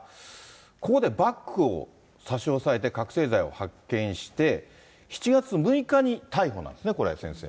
ここでバッグを差し押さえて、覚醒剤を発見して、７月６日に逮捕なんですね、これ、先生。